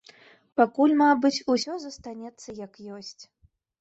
Пакуль, мабыць, усё застанецца, як ёсць.